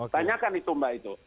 tanyakan itu mbak itu